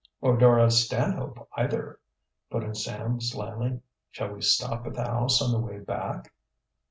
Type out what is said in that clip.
"Or Dora Stanhope either," put in Sam slyly. "Shall we stop at the house on the way back?"